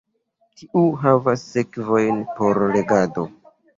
Tiu havas sekvojn por legado.